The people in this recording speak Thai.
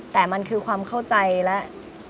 แต่มันคือความเข้าใจและ